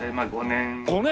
５年！